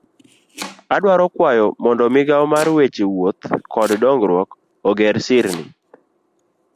Adwaro kwayo mondo migao mar weche wuoth kod dongruok oger sirni.